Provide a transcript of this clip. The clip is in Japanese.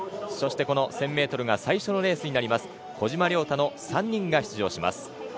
そして、１０００ｍが最初のレースになります小島良太の３人が出場します。